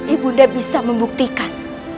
ibu dah bisa membuktikan